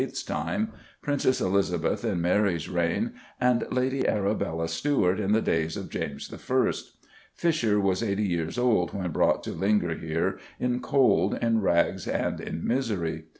's time, Princess Elizabeth in Mary's reign, and Lady Arabella Stuart in the days of James I. Fisher was eighty years old when brought to linger here "in cold, in rags, and in misery."